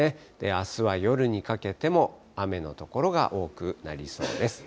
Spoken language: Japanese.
あすは夜にかけても雨の所が多くなりそうです。